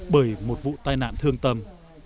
bởi một vụ tai nạn thương tâm